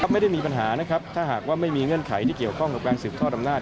ไม่ได้มีปัญหานะครับถ้าหากว่าไม่มีเงื่อนไขที่เกี่ยวข้องกับการสืบทอดอำนาจ